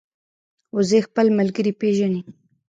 وزې خپل ملګري پېژني